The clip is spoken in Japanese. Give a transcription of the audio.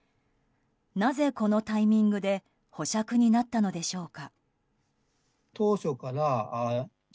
なぜこのタイミングで保釈になったのでしょうか。